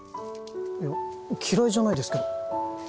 いや嫌いじゃないですけど。